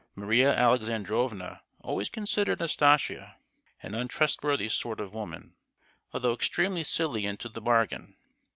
Maria Alexandrovna always considered Nastasia an untrustworthy sort of woman, although extremely silly into the bargain.